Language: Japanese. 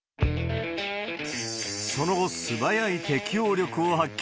その後、素早い適応力を発揮。